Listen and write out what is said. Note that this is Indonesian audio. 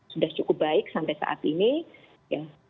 sudah cukup baik sampai saat ini ya